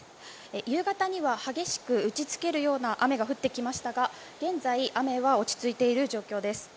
夕方には激しく打ち付けるような雨が降ってきましたが現在、雨は落ち着いている状況です。